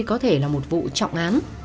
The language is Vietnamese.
đây có thể là một vụ trọng án